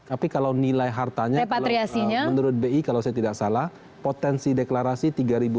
tapi kalau nilai hartanya menurut bi kalau saya tidak salah potensi deklarasi tersebut